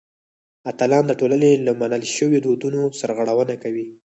اتلان د ټولنې له منل شویو دودونو سرغړونه کوي.